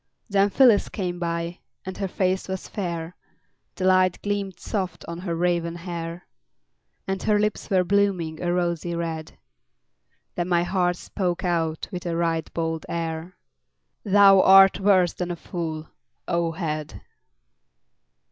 Then Phyllis came by, and her face was fair, The light gleamed soft on her raven hair; And her lips were blooming a rosy red. Then my heart spoke out with a right bold air: "Thou art worse than a fool, O head!"